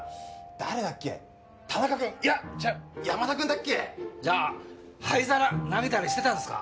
誰だっけ田中くんいや違う山田くんだっけ？じゃあ灰皿投げたりしてたんですか？